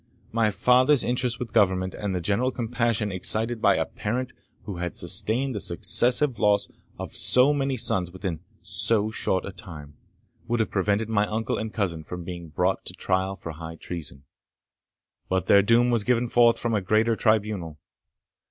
My father's interest with Government, and the general compassion excited by a parent who had sustained the successive loss of so many sons within so short a time, would have prevented my uncle and cousin from being brought to trial for high treason. But their doom was given forth from a greater tribunal.